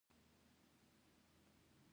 په پیل کې تېروتنه په پای کې له تېروتنې غوره ده.